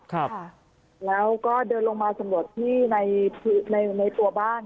ที่ข้างล่างแล้วก็เดินลงมาสำหรับที่ในตัวบ้าน